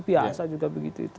biasa juga begitu itu